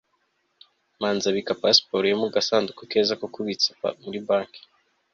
manzi abika pasiporo ye mu gasanduku keza ko kubitsa muri banki